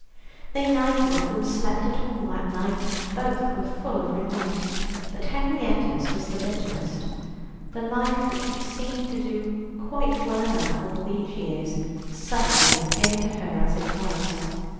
They neither of them slept at all that night. Both were full of remorse, but Henrietta's was the bitterest. The life which had seemed to do quite well enough all these years, suddenly appeared to her as it was.